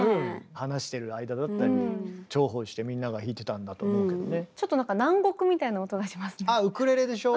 話してる間だったり重宝してみんなが弾いてたんだと思うけどね。